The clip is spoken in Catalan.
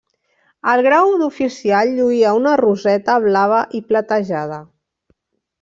El grau d'oficial lluïa una roseta blava i platejada.